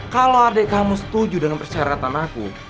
kalau adik kamu setuju dengan persyaratan aku